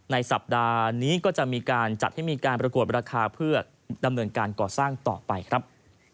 สัปดาห์นี้ก็จะมีการจัดให้มีการประกวดราคาเพื่อดำเนินการก่อสร้างต่อไปครับ